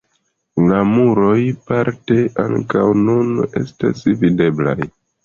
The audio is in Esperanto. La muroj parte ankaŭ nun estas videblaj.